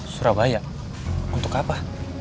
surabaya untuk apa